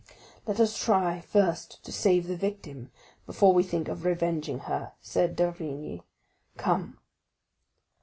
"Let us try first to save the victim before we think of revenging her," said d'Avrigny. "Come."